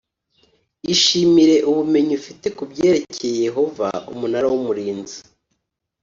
Ishimire ubumenyi ufite ku byerekeye Yehova Umunara w Umurinzi